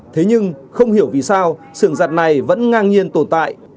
thế nhưng không hiểu vì sao sườn giặt này vẫn ngang nhiên tồn tại